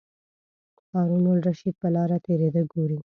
هارون الرشید په لاره تېرېده ګوري.